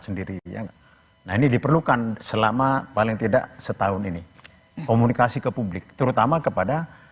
sendiri nah ini diperlukan selama paling tidak setahun ini komunikasi ke publik terutama kepada